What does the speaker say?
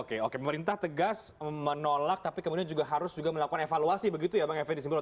oke oke pemerintah tegas menolak tapi kemudian juga harus melakukan evaluasi begitu ya bang f f disimbul